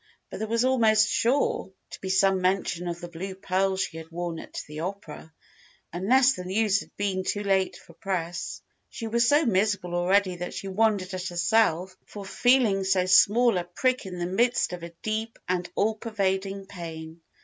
But there was almost sure to be some mention of the blue pearls she had worn at the opera, unless the news had been too late for press. She was so miserable already that she wondered at herself for feeling so small a prick in the midst of a deep and all pervading pain.